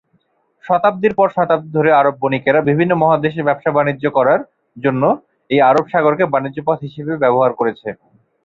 শতাব্দির পর শতাব্দি ধরে আরব বণিকেরা বিভিন্ন মহাদেশে ব্যবসা বাণিজ্য করার জন্য এই আরব সাগরকে বাণিজ্য পথ হিসেবে ব্যবহার করেছে।